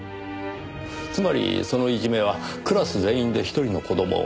つまりそのいじめはクラス全員で一人の子供を？